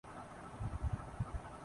اکثر اداکارہ ایشوریا رائے